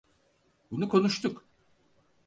Bunu konuştuk.